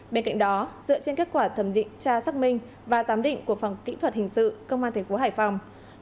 bên cạnh đó dựa trên kết quả thẩm định tra xác minh và giám định của phòng kỹ thuật hình sự công an tp hải phòng